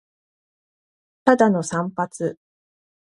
ただの散髪